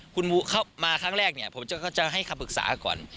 คุณมาครั้งแรกเนี่ยผมก็จะให้คำปรึกษาก่อน